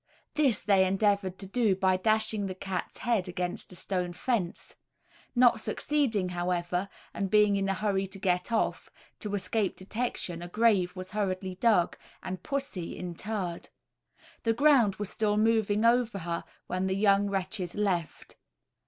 This they endeavoured to do by dashing the cat's head against a stone fence; not succeeding, however, and being in a hurry to get off, to escape detection a grave was hurriedly dug, and pussy interred. The ground was still moving over her when the young wretches left.